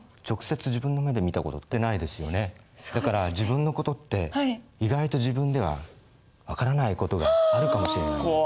だから自分の事って意外と自分では分からない事があるかもしれないんです。